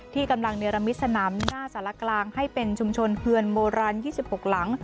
ที่กำลังเนรมิตสนามหน้าสารกลางให้เป็นชุมชนเคือนโบราณ๒๖หลัง